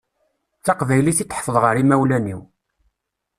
D taqbaylit i d-ḥefḍeɣ ar imawlan-iw.